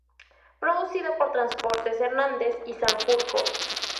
Producido por Transportes Hernández y Sanjurjo.